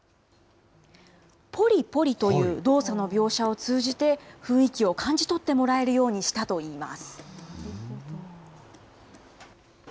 ぽりぽりという動作の描写を通じて、雰囲気を感じ取ってもらえるようにしたといいます。